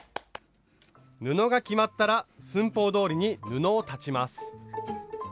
布が決まったら寸法どおりに布を裁ちます。